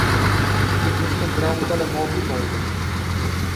Tu podias comprar um telemóvel novo